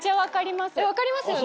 分かりますよね？